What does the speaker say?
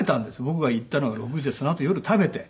僕が行ったのは６時でそのあと夜食べて。